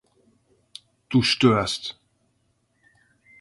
Du störst.